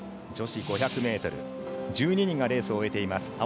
女子５００ｍ１２人がレースを終えています。